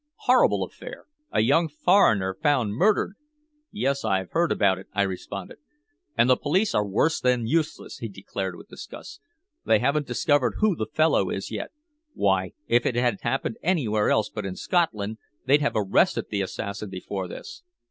Horrible affair a young foreigner found murdered." "Yes. I've heard about it," I responded. "And the police are worse than useless," he declared with disgust. "They haven't discovered who the fellow is yet. Why, if it had happened anywhere else but in Scotland, they'd have arrested the assassin before this."